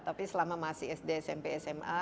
tapi selama masih sd smp sma